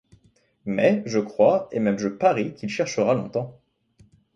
Mais, je crois, et même je parie, qu’il cherchera longtemps.